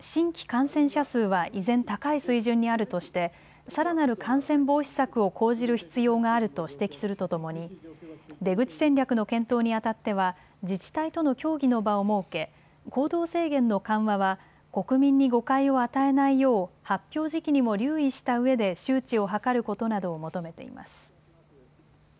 新規感染者数は依然高い水準にあるとしてさらなる感染防止策を講じる必要があると指摘するとともに出口戦略の検討にあたっては自治体との協議の場を設け行動制限の緩和は国民に誤解を与えないよう発表時期にも留意したうえで周知を図ることなどを求めています。